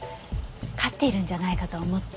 飼っているんじゃないかと思って。